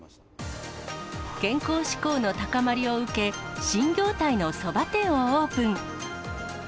健康志向の高まりを受け、新業態のそば店をオープン。